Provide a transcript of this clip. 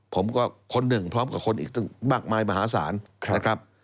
ผมก็คนหนึ่งพร้อมกับคนอีกมากมายมหาศาลนะครับ